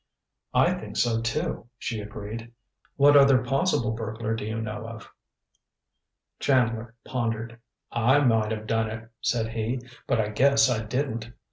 "I think so, too," she agreed. "What other possible burglar do you know of?" Chandler pondered. "I might have done it," said he; "but I guess I didn't.